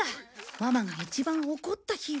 ママが一番怒った日は。